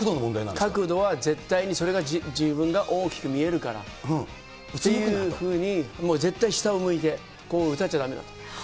角度は絶対にそれが自分が大きく見えるから、っていうふうに、もう絶対下を向いて、歌っちゃだめだと。